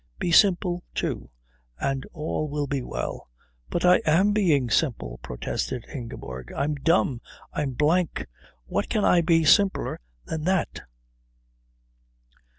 Be simple, too, and all will be well." "But I am being simple," protested Ingeborg. "I'm dumb; I'm blank; what can I be simpler than that?"